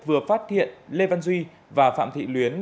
vừa phát hiện lê văn duy và phạm thị luyến